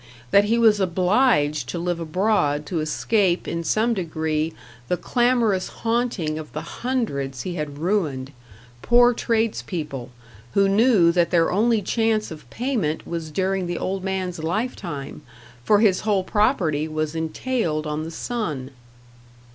That he was obliged to live abroad to escape in some degree the clamorous haunting of the hundreds he had ruined: poor tradespeople, who knew that their only chance of payment was during the old man's life time, for his whole property was entailed on the son.